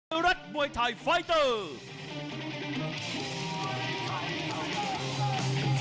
ไทยรัฐมวยไทยไฟเตอร์